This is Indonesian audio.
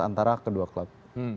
antara kedua klub